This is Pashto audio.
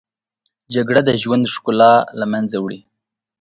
جګړه د ژوند ښکلا له منځه وړي